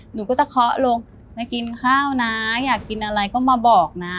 หนูก็จะเคาะลงไปกินข้าวนะอยากกินอะไรก็มาบอกนะ